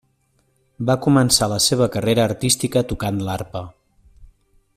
Va començar la seva carrera artística tocant l'arpa.